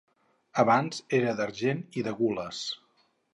Abans era d'argent i de gules.